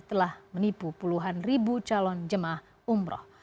telah menipu puluhan ribu calon jemaah umroh